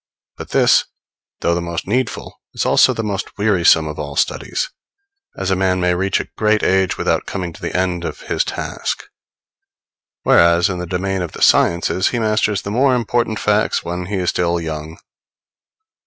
But this, though the most needful, is also the most wearisome of all studies, as a man may reach a great age without coming to the end of his task; whereas, in the domain of the sciences, he masters the more important facts when he is still young.